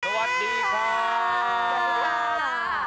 สวัสดีค่ะ